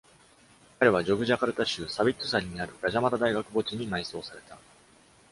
彼は、ジョグジャカルタ州サウィットサリにあるガジャ・マダ大学墓地に埋葬された。